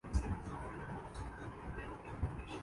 قائداعظم محمد علی جناح ہندو مسلم اتحاد کے حامی تھے